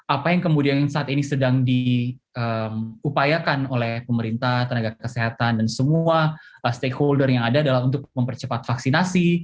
apa yang kemudian saat ini sedang diupayakan oleh pemerintah tenaga kesehatan dan semua stakeholder yang ada adalah untuk mempercepat vaksinasi